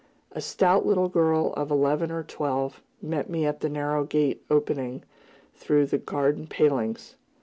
A stout little girl of eleven or twelve, met me at the narrow gate opening through the garden palings.